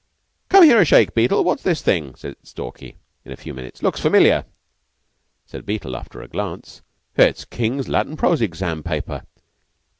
"Come here a shake, Beetle. What's this thing?" said Stalky, in a few minutes. "Looks familiar." Said Beetle, after a glance: "It's King's Latin prose exam. paper.